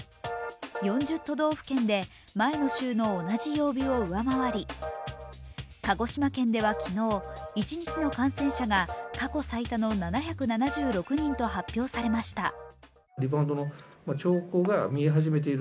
４０都道府県で前の週の同じ曜日を上回り鹿児島県では昨日、一日の感染者が過去最多の７７６人と発表されました。